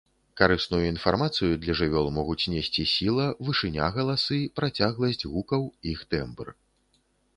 Карысную інфармацыю для жывёл могуць несці сіла, вышыня галасы, працягласць гукаў, іх тэмбр.